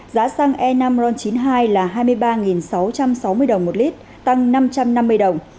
giá xăng e năm ron chín mươi hai là hai mươi ba sáu trăm sáu mươi đồng một lít tăng năm trăm năm mươi đồng